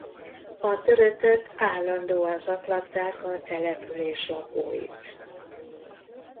A törökök állandóan zaklatták a település lakóit.